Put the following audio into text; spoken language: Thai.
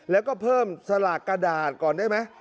แล้วก็เพิ่มสลากกระดาษก่อนได้ไหม